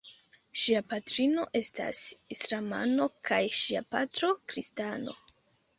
Ŝia patrino estas islamano kaj ŝia patro kristano.